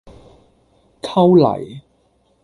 摳泥